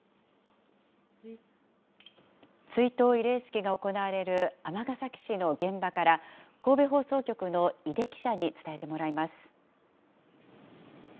追悼慰霊式が行われる尼崎市の現場から、神戸放送局の井出記者に伝えてもらいます。